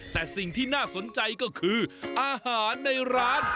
แต่สิ่งที่น่าสนใจก็คืออาหารในร้าน